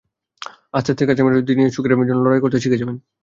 আস্তে আস্তে কাছের মানুষদের নিয়ে সুখের জন্য লড়াই করতে শিখে যাবেন।